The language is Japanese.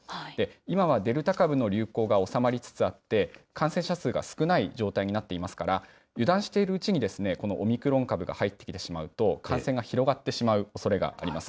今はデルタ株の流行が収まりつつあって、感染者数が少ない状態になっていますから、油断しているうちに、このオミクロン株が入ってきてしまうと、感染が広がってしまうおそれがあります。